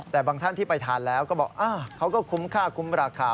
แต่บางท่านที่ไปทานแล้วก็บอกเขาก็คุ้มค่าคุ้มราคา